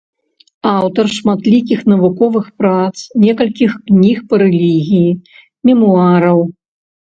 Аўтар шматлікіх навуковых прац, некалькіх кніг па рэлігіі, мемуараў.